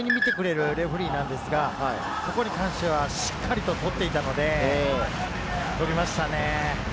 ちょっと長めに見てくれるレフェリーなんですが、ここに関してはしっかりと取っていたので、取りましたね。